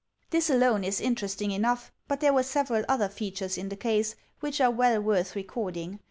This alone is interesting enough, but there were several other features in the case which are well worth recording.